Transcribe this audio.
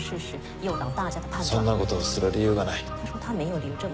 そんな事をする理由がない。